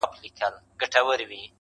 ته پر ګرځه د باران حاجت یې نسته,